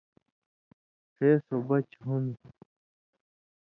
ݜے سو بچ ہُون٘دوۡ۔